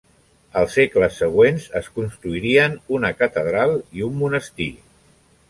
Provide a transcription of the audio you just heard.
Als segles següents es construirien una catedral i un monestir.